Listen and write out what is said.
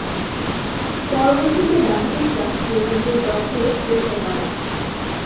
পরবর্তীতে বাহাদুর শাহ জৌনপুর দখলের চেষ্টা করে।